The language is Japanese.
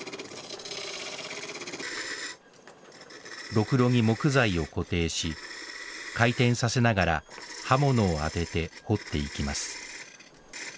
ろくろに木材を固定し回転させながら刃物を当てて彫っていきます